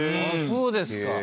そうですか。